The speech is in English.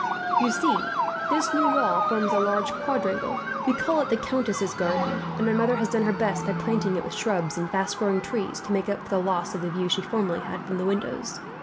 "You see, this new wall forms a large quadrangle. We call it the countess's garden, and my mother has done her best, by planting it with shrubs and fast growing trees, to make up for the loss of the view she formerly had from the windows.